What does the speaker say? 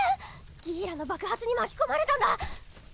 ギーラの爆発に巻き込まれたんだ。